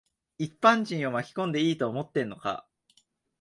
一般人を巻き込んでいいと思ってんのか。